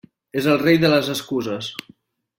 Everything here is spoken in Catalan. És el rei de les excuses.